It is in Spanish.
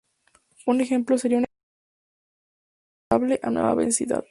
Un ejemplo sería una compañía de cable trazando cable a una nueva vecindad.